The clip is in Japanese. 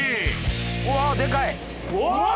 うわでかいわ！